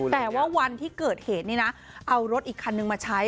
แต่ว่าวันที่เกิดเหตุนี่นะเอารถอีกคันนึงมาใช้